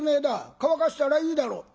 乾かしたらいいだろう」。